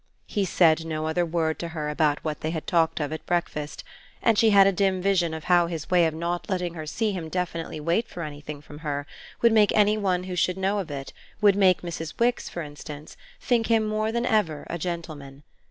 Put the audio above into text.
He said no other word to her about what they had talked of at breakfast, and she had a dim vision of how his way of not letting her see him definitely wait for anything from her would make any one who should know of it, would make Mrs. Wix for instance, think him more than ever a gentleman.